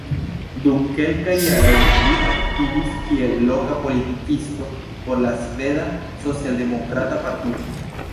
Dum kelkaj jaroj li aktivis kiel loka politikisto por la Sveda Socialdemokrata Partio.